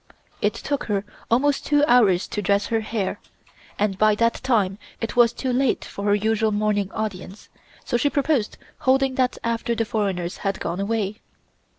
It took her almost two hours to dress her hair, and by that time it was too late for her usual morning audience, so she proposed holding that after the foreigners had gone away.